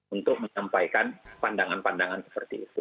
untuk menyampaikan pandangan pandangan seperti itu